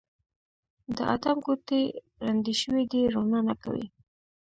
د ادم ګوتې ړندې شوي دي روڼا نه کوي